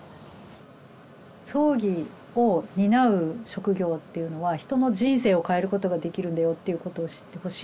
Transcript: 葬儀を担う職業っていうのは人の人生を変えることができるんだよっていうことを知ってほしい。